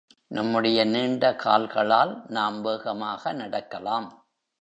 நம்முடைய நீண்ட கால்களால், நாம் வேகமாக நடக்கலாம்.